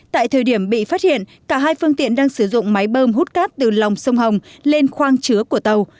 tại thời điểm bị phát hiện cả hai phương tiện đang sử dụng máy bơm hút cát từ lòng sông hồng lên khoang chứa của tàu